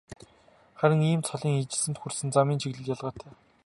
Харин ийм цолын ижилсэлд хүрсэн замын чиглэл ялгаатай.